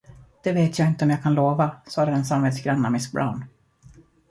Det vet jag inte om jag kan lova, sade den samvetsgranna miss Brown.